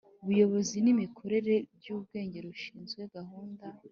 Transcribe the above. Buyobozi n imikorere by urwego rushinzwe gahunda